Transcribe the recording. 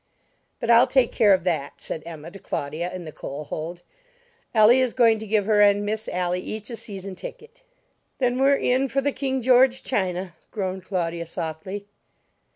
"But I'll take care of that," said Emma to Claudia in the coal hold. "Elly is going to give her and Miss Ally each a season ticket." "Then we're in for the King George china!" groaned Claudia softly.